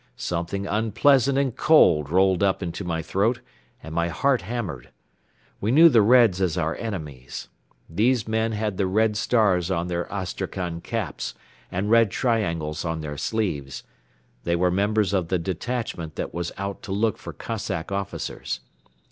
Something unpleasant and cold rolled up into my throat and my heart hammered. We knew the Reds as our enemies. These men had the red stars on their Astrakhan caps and red triangles on their sleeves. They were members of the detachment that was out to look for Cossack officers.